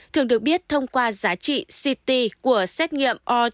thường được biết thông qua giá trị ct của xét nghiệm rt pcr